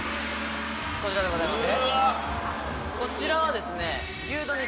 こちらでございます。